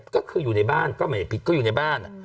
ก็คืออยู่ในบ้านก็ไม่ได้ผิดก็อยู่ในบ้าน